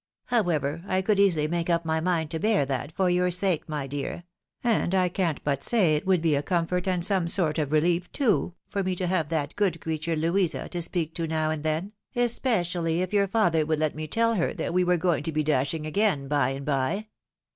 However, I could easily make up my mind to bear that for your sake, my dear — and I can't but say it would be a comfort and some sort of relief, too, for me to have that good creature, Louisa, to speak to now and then, especially if your father would let me tell her that we were going to be dashing again by and by.